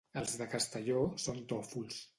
Els de Castelló són tòfols.